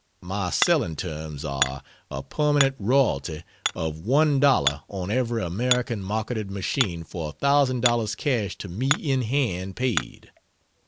My selling terms are, a permanent royalty of one dollar on every American marketed machine for a thousand dollars cash to me in hand paid.